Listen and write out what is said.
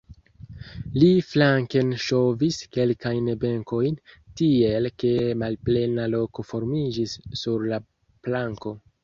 Li flanken ŝovis kelkajn benkojn, tiel ke malplena loko formiĝis sur la planko.